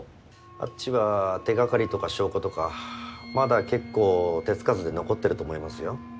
あっちは手がかりとか証拠とかまだけっこう手付かずで残ってると思いますよ。